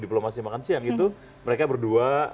diplomasi makan siang itu mereka berdua